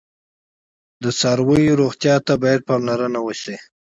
د څارویو روغتیا ته باید پاملرنه وشي.